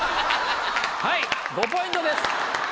はい５ポイントです。